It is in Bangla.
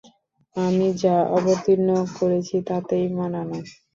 আমি যা অবতীর্ণ করেছি তাতে ঈমান আন।